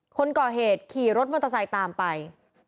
คนก่อเหตุขี่รถมอเตอร์ไซค์ตามไป